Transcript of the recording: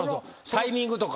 タイミングとか。